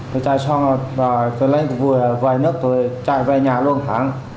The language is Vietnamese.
tôi chạy xong rồi tôi lên tôi vừa về nước tôi chạy về nhà luôn thẳng